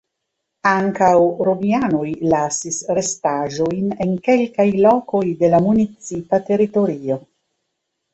Ankaŭ romianoj lasis restaĵojn en kelkaj lokoj de la municipa teritorio.